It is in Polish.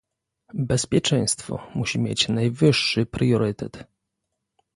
Bezpieczeństwo musi mieć najwyższy priorytet